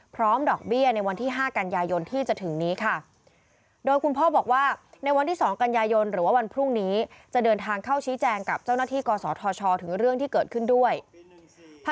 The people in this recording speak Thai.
ดอกเบี้ยในวันที่๕กันยายนที่จะถึงนี้ค่ะ